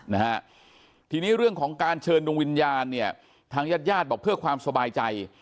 นะฮะทีนี้เรื่องของการเชิญดวงวิญญาณเนี่ยทางญาติญาติบอกเพื่อความสบายใจ